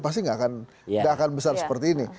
pasti nggak akan besar seperti ini